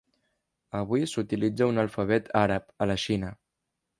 Avui s'utilitza un alfabet àrab a la Xina.